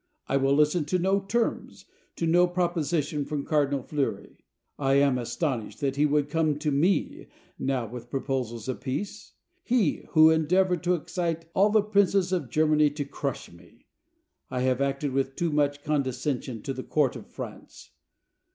I will listen to no terms, to no proposition from Cardinal Fleury. I am astonished that he should come to me now with proposals for peace; he who endeavored to excite all the princes of Germany to crush me. I have acted with too much condescension to the court of France.